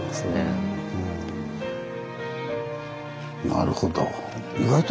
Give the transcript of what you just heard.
なるほど。